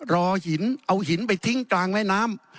รอหินเอาหินไปทิ้งกลางแม่น้ำ